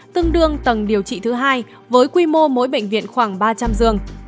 tương đương tầng điều trị thứ hai với quy mô mỗi bệnh viện khoảng ba trăm linh giường